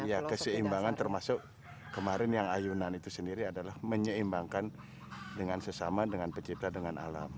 ya keseimbangan termasuk kemarin yang ayunan itu sendiri adalah menyeimbangkan dengan sesama dengan pencipta dengan alam